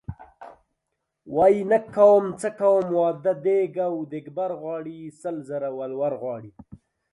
وايي نه کومه څه کوم واده دیګ او دیګبر غواړي سل زره ولور غواړي .